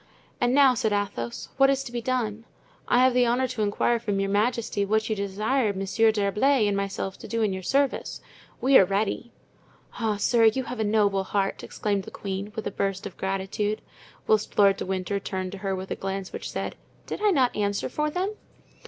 "And now," said Athos, "what is to be done? I have the honor to inquire from your majesty what you desire Monsieur d'Herblay and myself to do in your service. We are ready." "Ah, sir, you have a noble heart!" exclaimed the queen, with a burst of gratitude; whilst Lord de Winter turned to her with a glance which said, "Did I not answer for them?"